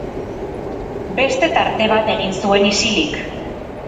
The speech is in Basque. Beste tarte bat egin zuen isilik.